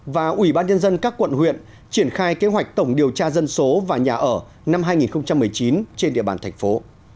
và ủy ban nhân dân các quận huyện triển khai kế hoạch tổng điều tra dân số và nhà ở năm hai nghìn một mươi chín trên địa bàn thành phố